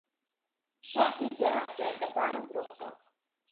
Shortly thereafter, the band broke up.